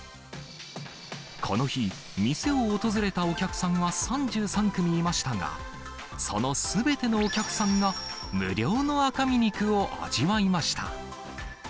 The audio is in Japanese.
この日、店を訪れたお客さんは３３組いましたが、そのすべてのお客さんが、無料の赤身肉を味わいました。